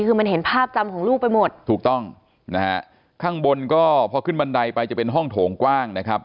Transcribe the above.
คือมันเห็นภาพจำของลูกไปหมดถูกต้องนะฮะข้างบนก็พอขึ้นบันไดไปจะเป็นห้องโถงกว้างนะครับ